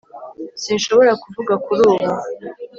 sinshobora kuvuga kuri ubu